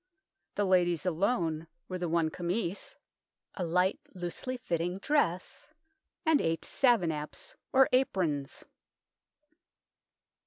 The lady's alone were the one camise (a light, loosely fitting dress) and eight savenapes, or aprons.